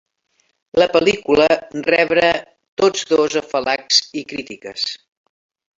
La pel·lícula rebre tots dos afalacs i crítiques.